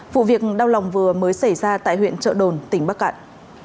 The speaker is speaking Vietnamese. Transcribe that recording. vụ việc đau lòng vừa mới xảy ra tại huyện trợ đồn tỉnh bắc cạn